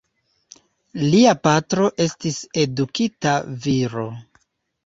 Lia patro estis edukita viro.